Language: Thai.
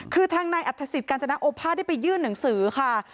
คือทางนายอัฐศิษย์กาญจนโอภาษได้ไปยื่นหนังสือค่ะ